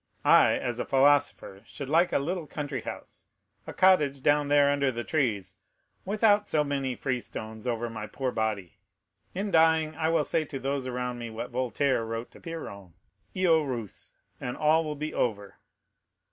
I, as a philosopher, should like a little country house, a cottage down there under the trees, without so many free stones over my poor body. In dying, I will say to those around me what Voltaire wrote to Piron: 'Eo rus, and all will be over.